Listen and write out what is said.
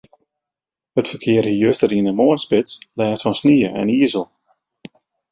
It ferkear hie juster yn de moarnsspits lêst fan snie en izel.